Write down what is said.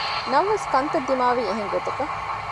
ނަމަވެސް ކަންތައް ދިމާވީ އެހެންގޮތަކަށް